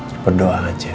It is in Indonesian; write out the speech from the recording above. cepat doa aja